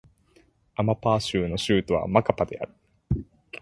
アマパー州の州都はマカパである